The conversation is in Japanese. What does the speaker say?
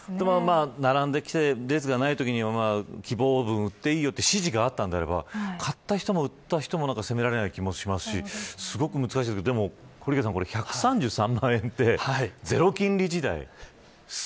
並んできて列がないときには希望分を売っていいという指示があったといえば買った人も売った人も責められない気もしますし、でも堀池さん、１３３万円ってゼロ金利時代